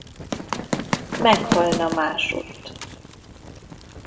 Meghalna másutt.